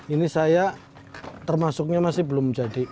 ini saya termasuknya masih belum jadi